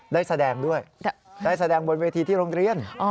ได้แสดงด้วยได้แสดงบนเวทีที่โรงเรียน